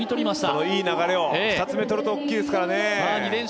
このいい流れを２つ目取ると大きいですからね。